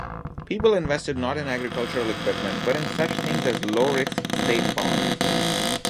People invested not in agricultural equipment but in such things as low-risk state bonds.